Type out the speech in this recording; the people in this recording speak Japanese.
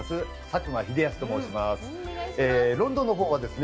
佐久間英康と申します。